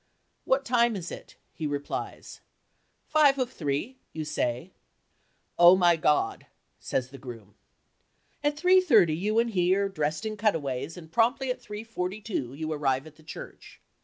"What time is it?" he replies. "Five of three," you say. "Oh, my God!" says the groom. At three thirty you and he are dressed in cutaways and promptly at three forty two you arrive at the church.